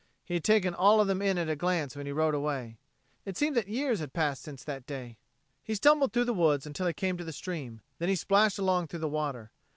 He had taken all of them in at a glance when he rode away. It seemed that years had passed since that day. He stumbled through the woods until he came to the stream; then he splashed along through the water.